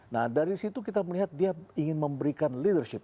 nah dari situ kita melihat dia ingin memberikan leadership